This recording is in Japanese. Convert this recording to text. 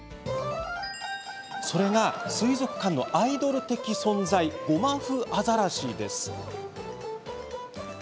それは、水族館のアイドル的存在ゴマフアザラシです。